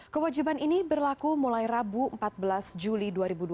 kewajiban ini berlaku mulai rabu empat belas juli dua ribu dua puluh